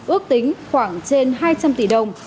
ước tính khoảng trên hai trăm linh tỷ đồng